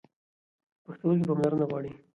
پښتورګي پاملرنه غواړي.